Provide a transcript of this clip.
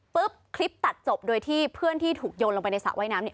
คลิปตัดจบโดยที่เพื่อนที่ถูกโยนลงไปในสระว่ายน้ำเนี่ย